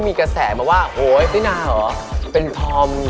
รอที่จะมาอัปเดตผลงานแล้วก็เข้าไปโด่งดังไกลถึงประเทศจีน